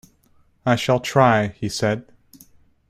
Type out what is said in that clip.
"I shall try," he said.